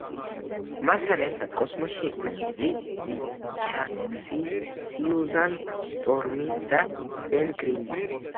მასთან ერთად კოსმოსში იყვნენ რიდ რიჩარდსი, სიუზან შტორმი და ბენ გრიმი.